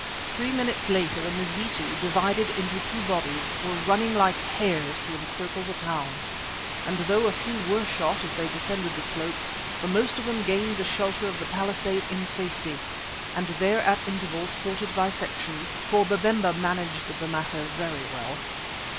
Three minutes later the Mazitu, divided into two bodies, were running like hares to encircle the town, and though a few were shot as they descended the slope, the most of them gained the shelter of the palisade in safety, and there at intervals halted by sections, for Babemba managed the matter very well.